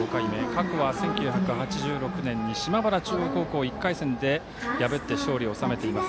過去は１９８６年に島原中央高校を１回戦で破って勝利を収めています。